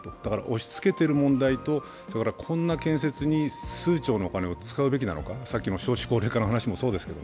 押しつけている問題とそれからこんな建設に数兆のお金を使うべきなのか、少子化の問題もそうですが。